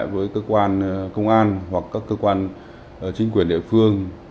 với cơ quan công an hoặc các cơ quan chính quyền địa phương